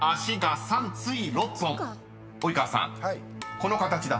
この形だと］